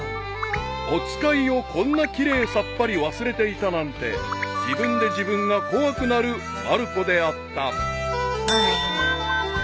［お使いをこんな奇麗さっぱり忘れていたなんて自分で自分が怖くなるまる子であった］